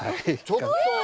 ちょっと。わ！